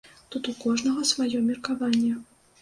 Тут у кожнага, сваё меркаванне.